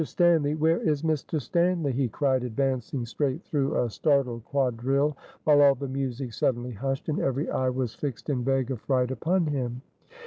Stanly! where is Mr. Stanly?" he cried, advancing straight through a startled quadrille, while all the music suddenly hushed, and every eye was fixed in vague affright upon him.